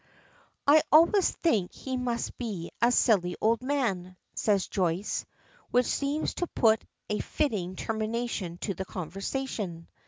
"I always think he must be a silly old man," says Joyce, which seems to put a fitting termination to the conversation.